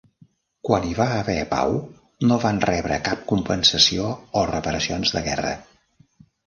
Quan hi va haver pau, no van rebre cap compensació o reparacions de guerra.